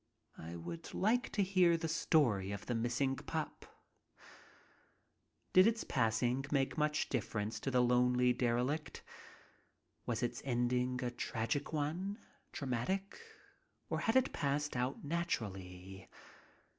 I would like to hear the story of the missing pup. Did its passing make much difference to the lonely derelict ? Was its ending a tragic one, dramatic, or had it just passed out naturally?